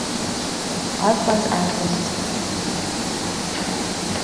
Alfonz elhunyt.